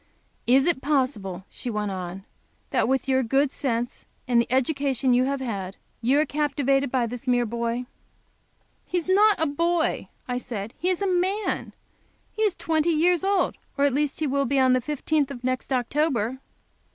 "Is it possible," she went on, "that with your good sense, and the education you have had, you are captivated by this mere boy?" "He is not a boy," I said. "He is a man. He is twenty years old; or at least he will be on the fifteenth of next October."